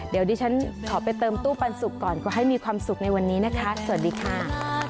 เดี๋ยวดิฉันขอไปเติมตู้ปันสุกก่อนก็ให้มีความสุขในวันนี้นะคะสวัสดีค่ะ